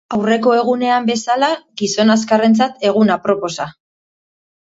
Aurreko egunean bezala gizon azkarrentzat egun aproposa.